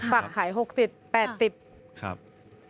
ปักขาย๖๐บาท๘๐บาท